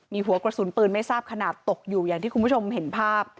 มีหัวกระสุนปืนไม่ทราบขนาดตกอยู่อย่างที่คุณผู้ชมเห็นภาพ